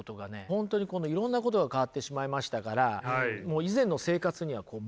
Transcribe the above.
本当にいろんなことが変わってしまいましたからもう以前の生活には戻れない。